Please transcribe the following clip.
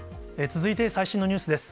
続いて最新のニュースです。